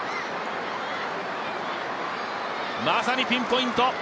まさにピンポイント。